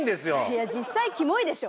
いや実際キモいでしょ。